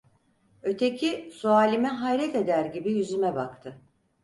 Öteki, sualime hayret eder gibi yüzüme baktı.